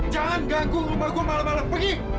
jangan ganggu rumah gue malam malam pergi